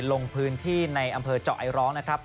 ลงพื้นที่ในอำเภอเจาะไอร้องนะครับ